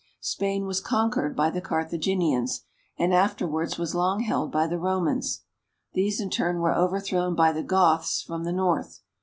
Spain was conquered by the Carthaginians and afterwards was long held by the Romans ; these in turn were overthrown by the Goths from the north.